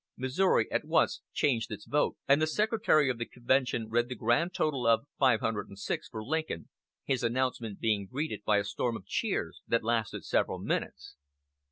Missouri at once changed its vote, and the secretary of the convention read the grand total of 506 for Lincoln, his announcement being greeted by a storm of cheers that lasted several minutes.